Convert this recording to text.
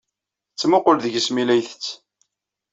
Tettmuqul deg-s mi la yettett.